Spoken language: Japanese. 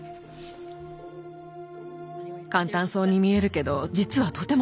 簡単そうに見えるけど実はとても難しいの。